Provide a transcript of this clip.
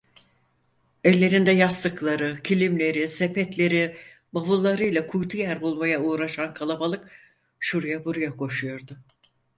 Ellerinde yastıkları, kilimleri, sepetleri, bavulları ile kuytu yer bulmaya uğraşan kalabalık, şuraya buraya koşuyordu.